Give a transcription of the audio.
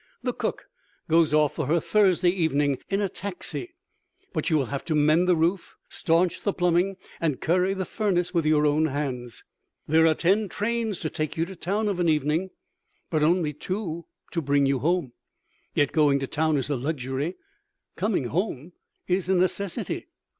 The cook goes off for her Thursday evening in a taxi, but you will have to mend the roof, stanch the plumbing and curry the furnace with your own hands. There are ten trains to take you to town of an evening, but only two to bring you home. Yet going to town is a luxury, coming home is a necessity.